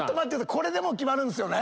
これで決まるんすよね？